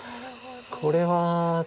これは。